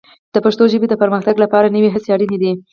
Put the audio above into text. د پښتو ژبې د پرمختګ لپاره نوې هڅې اړینې دي.